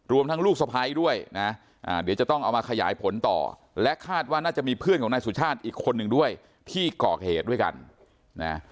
ทั้งลูกสะพ้ายด้วยนะเดี๋ยวจะต้องเอามาขยายผลต่อและคาดว่าน่าจะมีเพื่อนของนายสุชาติอีกคนนึงด้วยที่ก่อเหตุด้วยกันนะ